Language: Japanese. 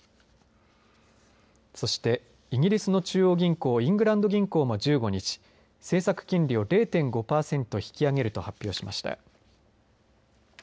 そして、イギリスの中央銀行イングランド銀行も１５日政策金利を０．５パーセント引き上げると発表しました。